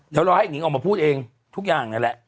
เดี๋ยวรอให้หนิงออกมาพูดเองทุกอย่างนั่นแหละ